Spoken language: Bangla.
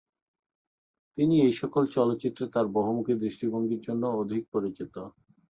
তিনি এই সকল চলচ্চিত্রে তাঁর বহুমুখী দৃষ্টিভঙ্গির জন্য অধিক পরিচিত।